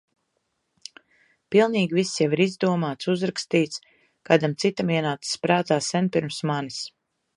Pilnīgi viss jau ir izdomāts, uzrakstīts, kādam citam ienācis prātā sen pirms manis.